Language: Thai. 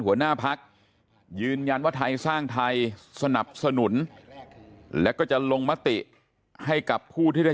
หัวหน้าพักยืนยันว่าไทยสร้างไทยสนับสนุนแล้วก็จะลงมติให้กับผู้ที่ได้